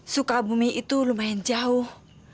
sukabumi itu lumayan jauh